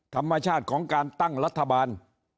ธรรมชาติของการตั้งรัฐบาล